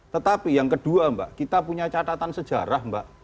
tetapi yang kedua mbak kita punya catatan sejarah mbak